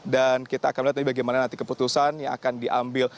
dan kita akan lihat bagaimana nanti keputusan yang akan diambil